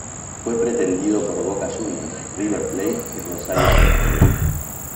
Fue pretendido por Boca Juniors, River Plate y Rosario Central.